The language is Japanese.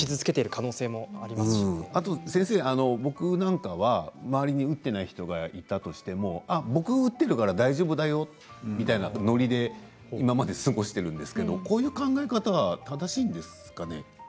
先生、僕なんかは周りで打ってない人がいたとしても僕が打っているから大丈夫だよみたいなノリで今まで過ごしているんですけどこういう考え方は正しいんですかね？